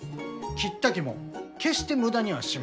切った木も決して無駄にはしません。